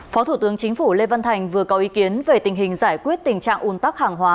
phó thủ tướng chính phủ lê văn thành vừa có ý kiến về tình hình giải quyết tình trạng ủn tắc hàng hóa